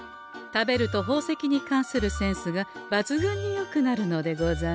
食べると宝石に関するセンスがばつぐんによくなるのでござんす。